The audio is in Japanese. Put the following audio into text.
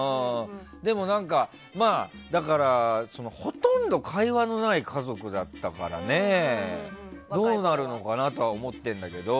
でも、ほとんど会話のない家族だったからどうなるのかなとは思ってるんだけど。